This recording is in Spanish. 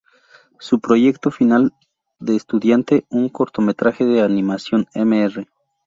Su proyecto final de estudiante, un cortometraje de animación "Mr.